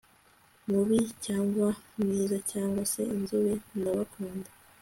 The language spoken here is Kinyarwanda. mubi cyangwa mwiza cyangwa se inzobe ndabakunda